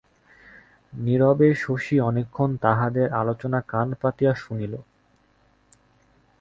নীরবে শশী অনেক্ষণ তাহাদের আলোচনা কান পাতিয়া শুনিল।